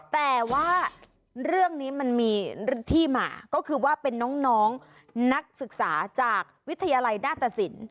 แต่ว่าเรื่องนี้มันมีที่มาก็คือว่าเป็นน้องนักศึกษาจากวิทยาลัยหน้าตสิน